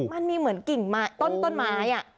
มันมีเหมือนกิ่งไม้ต้นไม้